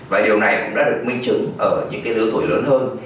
và điều này cũng đã được minh chứng ở những đứa tuổi lớn hơn